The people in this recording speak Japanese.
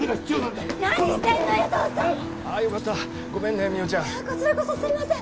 いやこちらこそすいません。